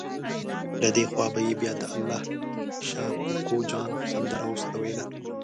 له دې خوا به یې بیا د الله شا کوکو جان سندره ورسره وویله.